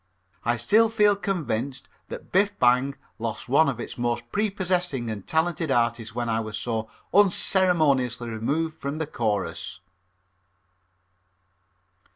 I still feel convinced that Biff Bang lost one of its most prepossessing and talented artists when I was so unceremoniously removed from the chorus.